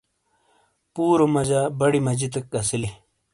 پرو مجا بڑی مجتیک اسیلی۔